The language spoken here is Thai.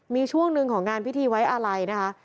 มีช่วงหนึ่งของงานพิธีไว้อาลัยนะคะ